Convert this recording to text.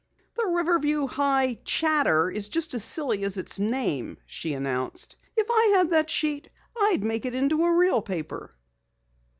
"The Riverview High Chatter is just as silly as its name," she announced. "If I had that sheet I'd make it into a real paper."